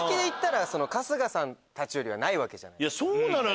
そうなのよ！